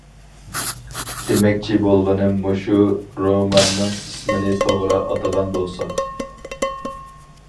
دېمەكچى بولغىنىم مۇشۇ روماننىڭ ئىسمىنى توغرا ئاتىغان بولساق.